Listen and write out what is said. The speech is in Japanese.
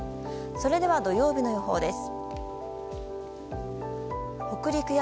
それでは、土曜日の予報です。